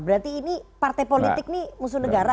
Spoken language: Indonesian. berarti ini partai politik ini musuh negara